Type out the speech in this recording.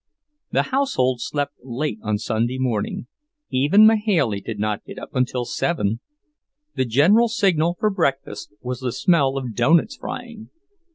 The household slept late on Sunday morning; even Mahailey did not get up until seven. The general signal for breakfast was the smell of doughnuts frying.